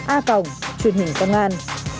a phòng truyền hình công an